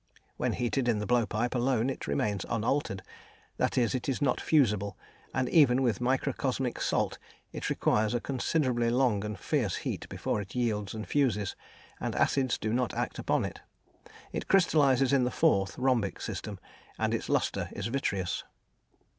When heated in the blowpipe alone it remains unaltered, that is, it is not fusible, and even with microcosmic salt it requires a considerably long and fierce heat before it yields and fuses, and acids do not act upon it. It crystallises in the 4th (rhombic) system, and its lustre is vitreous.